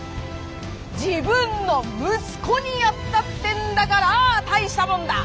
自分の息子にやったってんだから大したもんだ！